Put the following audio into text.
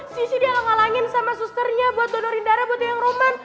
sissy dia ngalang ngalangin sama susternya buat donorin darah buat yang roman